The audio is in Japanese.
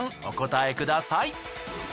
お答えください。